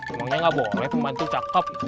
emangnya nggak boleh pembantu cakep